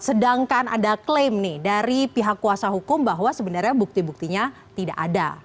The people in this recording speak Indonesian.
sedangkan ada klaim nih dari pihak kuasa hukum bahwa sebenarnya bukti buktinya tidak ada